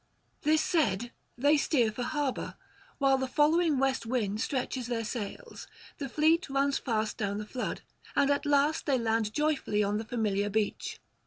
This said, they steer for harbour, while the following west wind stretches their sails; the fleet runs fast down the flood, and at last they land joyfully on the familiar beach.